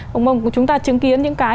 vùng mông chúng ta chứng kiến những cái